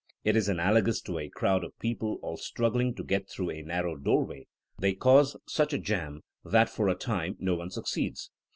It is analogous to a crowd of people all struggling to get through a narrow doorway. They cause such a jam that for, a time no one succeeds.